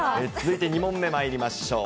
続いて２問目まいりましょう。